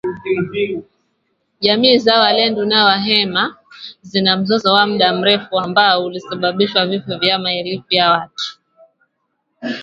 Jamii za walendu na wahema zina mzozo wa muda mrefu ambao ulisababishwa vifo vya maelfu ya watu